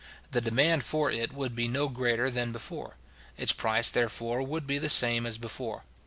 The demand for it would be no greater than before. Its price, therefore, would be the same as before.